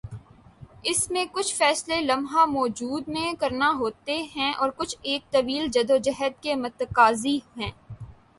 اس میں کچھ فیصلے لمحہ موجود میں کرنا ہوتے ہیں اور کچھ ایک طویل جدوجہد کے متقاضی ہیں۔